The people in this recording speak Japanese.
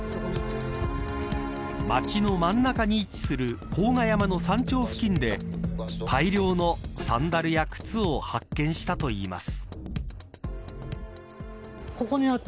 街の真ん中に位置する甲賀山の山頂付近で大量のサンダルや靴を発見したといいます。